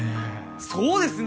そうですね！